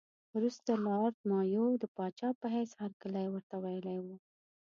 وروسته لارډ مایو د پاچا په حیث هرکلی ورته ویلی وو.